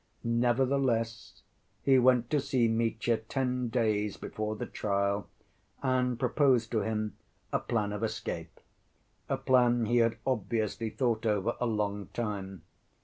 Nevertheless, he went to see Mitya ten days before the trial and proposed to him a plan of escape—a plan he had obviously thought over a long time.